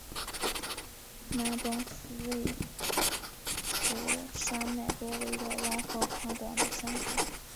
南邦府位处山脉包围的王河宽广的山谷。